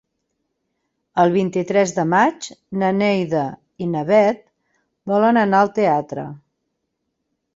El vint-i-tres de maig na Neida i na Bet volen anar al teatre.